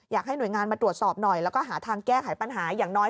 อยากให้หน่วยงานมาตรวจสอบหน่อยแล้วก็หาทางแก้ไขปัญหาอย่างน้อย